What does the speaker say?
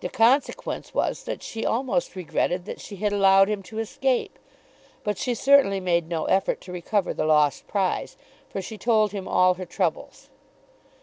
The consequence was that she almost regretted that she had allowed him to escape. But she certainly made no effort to recover the lost prize, for she told him all her troubles.